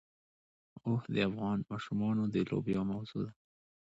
اوښ د افغان ماشومانو د لوبو یوه موضوع ده.